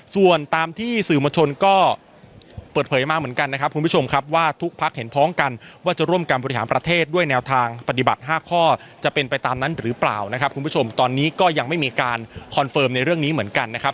ส่วนตามที่สื่อมวลชนก็เปิดเผยมาเหมือนกันนะครับคุณผู้ชมครับว่าทุกพักเห็นพ้องกันว่าจะร่วมการบริหารประเทศด้วยแนวทางปฏิบัติ๕ข้อจะเป็นไปตามนั้นหรือเปล่านะครับคุณผู้ชมตอนนี้ก็ยังไม่มีการคอนเฟิร์มในเรื่องนี้เหมือนกันนะครับ